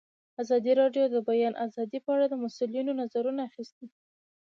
ازادي راډیو د د بیان آزادي په اړه د مسؤلینو نظرونه اخیستي.